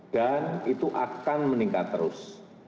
dan itu akan meningkat terus